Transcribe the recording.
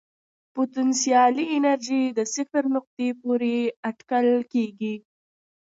پوتنسیالي انرژي د صفر نقطې پورې اټکل کېږي.